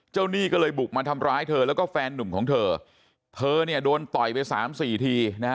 หนี้ก็เลยบุกมาทำร้ายเธอแล้วก็แฟนนุ่มของเธอเธอเนี่ยโดนต่อยไปสามสี่ทีนะฮะ